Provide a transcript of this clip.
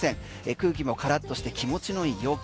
空気もカラッとして気持ちのいい陽気。